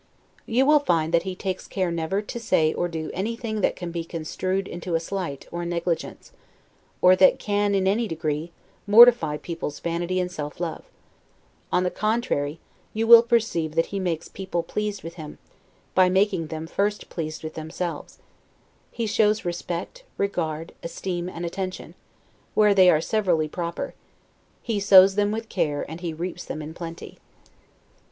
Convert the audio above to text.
You will find that he takes care never to say or do any thing that can be construed into a slight, or a negligence; or that can, in any degree, mortify people's vanity and self love; on the contrary, you will perceive that he makes people pleased with him, by making them first pleased with themselves: he shows respect, regard, esteem and attention, where they are severally proper: he sows them with care, and he reaps them in plenty.